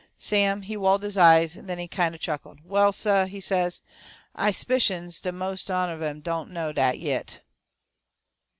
Sam, he walled his eyes, and then he kind of chuckled. "Well, suh," he says, "I 'spicions de mos' on 'em don' know dat YIT!"